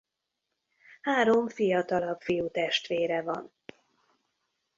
Három fiatalabb fiútestvére van.